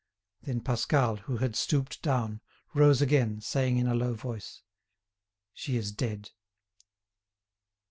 Then Pascal, who had stooped down, rose again, saying in a low voice: "She is dead."